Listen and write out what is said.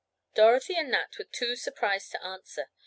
Dorothy and Nat were too surprised to answer.